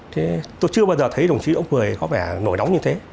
thế tôi chưa bao giờ thấy đồng chí đổ mươi có vẻ nổi nóng như thế